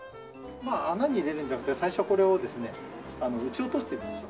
穴に入れるんじゃなくて最初これをですね撃ち落としていくんですよ。